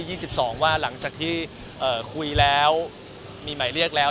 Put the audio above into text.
ยี่สิบสองว่าหลังจากที่เอ่อคุยแล้วมีหมายเรียกแล้ว